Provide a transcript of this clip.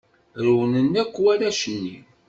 Rewlen akk warrac-nni.